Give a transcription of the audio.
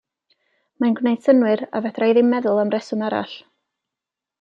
Mae'n gwneud synnwyr a fedra'i ddim meddwl am reswm arall.